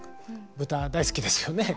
ブタ大好きですよね。